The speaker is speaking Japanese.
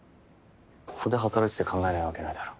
ここで働いてて考えないわけないだろ。